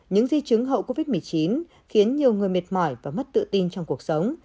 những di chứng hậu covid một mươi chín khiến nhiều người mệt mỏi và mất tự tin trong cuộc sống